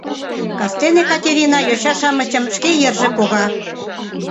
Кастене Катерина йоча-шамычым шке йырже пога.